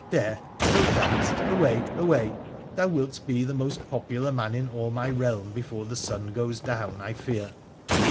There, no thanks, away ! away ! thou wilt be the most popular man in all my realm before the sun goes down, I fear.'